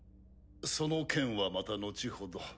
その件はまた後ほど。